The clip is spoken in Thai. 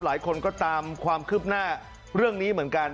หลายคนก็ตามความคืบหน้าเรื่องนี้เหมือนกัน